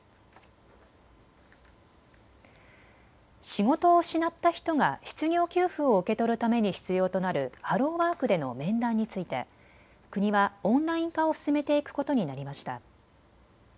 仕事を失った人が失業給付を受け取るために必要となるハローワークでの面談について国はオンライン化を進めていくことになりました。